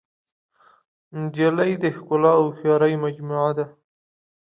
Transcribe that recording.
نجلۍ د ښکلا او هوښیارۍ مجموعه ده.